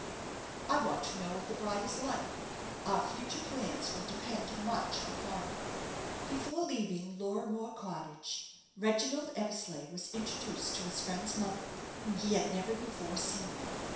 "I want to know what the bride is like. Our future plans will depend much upon her." Before leaving Lorrimore Cottage, Reginald Eversleigh was introduced to his friend's mother, whom he had never before seen.